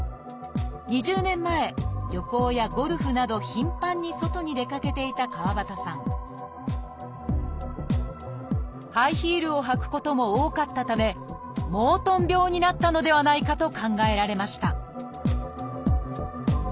２０年前旅行やゴルフなど頻繁に外に出かけていたかわばたさんハイヒールを履くことも多かったためモートン病になったのではないかと考えられました